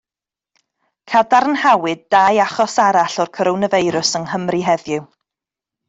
Cadarnhawyd dau achos arall o'r coronafeirws yng Nghymru heddiw.